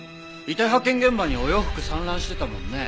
遺体発見現場にお洋服散乱してたもんね。